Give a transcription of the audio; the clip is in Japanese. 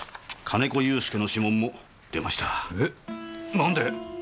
なんで？